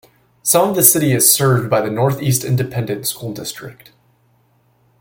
Some of the city is served by the North East Independent School District.